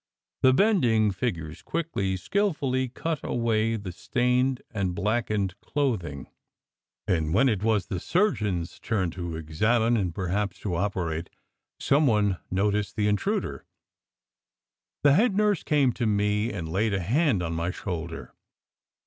The bending figures quickly, skilfully cut away the stained and black ened clothing, and when it was the surgeon s turn to SECRET HISTORY 225 examine and perhaps to operate, some one noticed the intruder. The head nurse came to me and laid a hand on my shoulder.